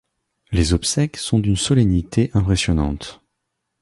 Les obsèques sont d’une solennité impressionnante.